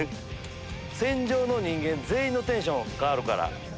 船上の人間全員のテンションが変わるから。